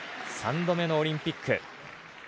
３度目のオリンピック。